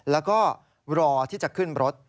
แล้วก็รอที่จะขึ้นรถ